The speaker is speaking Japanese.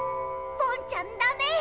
ポンちゃんダメ。